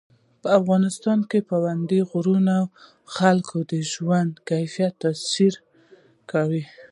په افغانستان کې پابندی غرونه د خلکو د ژوند په کیفیت تاثیر کوي.